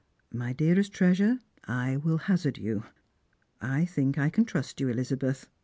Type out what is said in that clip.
My dearest treasure, I will hazard you. I think I can trust you, Elizabeth.